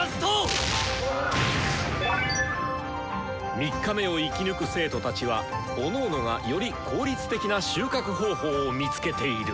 ３日目を生き抜く生徒たちはおのおのがより効率的な収穫方法を見つけている。